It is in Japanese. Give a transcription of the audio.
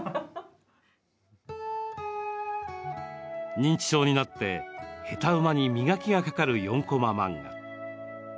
認知症になって「ヘタウマ」に磨きがかかる４コマ漫画。